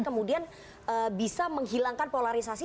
kemudian bisa menghilangkan polarisasi